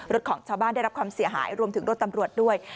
ของชาวบ้านได้รับความเสียหายรวมถึงรถตำรวจด้วย